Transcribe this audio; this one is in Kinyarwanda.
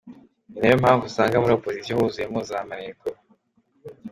Ni nayo mpamvu usanga muri opposition huzuye mo za maneko.